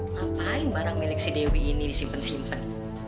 ngapain barang milik si dewi ini disimpan simpen